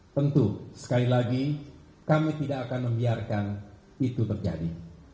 tentu sekali lagi kami tidak akan membiarkan itu terjadi